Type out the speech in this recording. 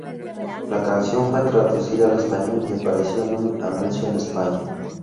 La canción fue traducida al español, y apareció en un anuncio en España.